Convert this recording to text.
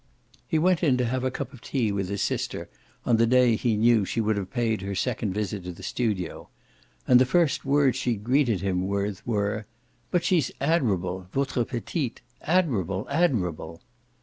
He went in to have a cup of tea with his sister on the day he knew she would have paid her second visit to the studio, and the first words she greeted him with were: "But she's admirable votre petite admirable, admirable!"